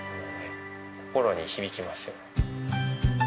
心に響きますよね。